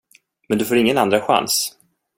Men du får ingen andra chans.